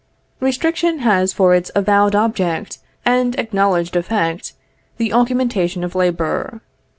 Restriction has for its avowed object, and acknowledged effect, the augmentation of labor.